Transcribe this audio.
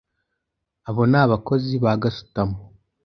abo n’abakozi ba gasutamo